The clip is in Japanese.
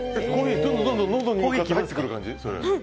どんどんのどに入ってくる感じ？